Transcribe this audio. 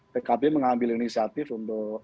pkb mengambil inisiatif untuk